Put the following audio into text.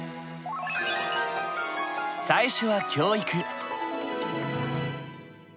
最初は教育。